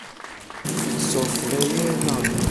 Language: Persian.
سفره نان